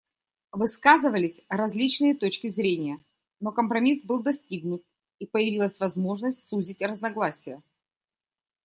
Высказывались различные точки зрения, но компромисс был достигнут, и появилась возможность сузить разногласия.